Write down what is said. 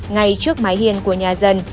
ngay trước mái hiên của nhà dân